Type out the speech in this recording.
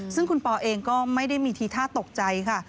ซึ่งคุณปอเองก็ไม่ได้มีทีท่าตกใจค่ะ